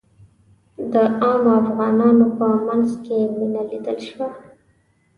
د عامو افغانانو په منځ کې مينه ولیدل شوه.